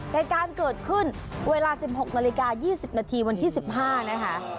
เหตุการณ์เกิดขึ้นเวลา๑๖นาฬิกา๒๐นาทีวันที่๑๕นะคะ